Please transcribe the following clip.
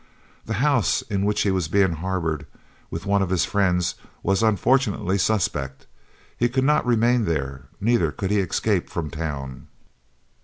The house in which he was being harboured, with one of his friends, was unfortunately suspect. He could not remain there, neither could he escape from town.